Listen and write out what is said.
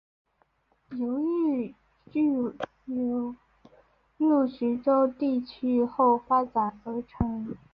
由豫剧流入徐州地区后发展而成。